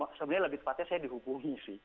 jadi tadi sebenarnya lebih tepatnya saya dihubungi sih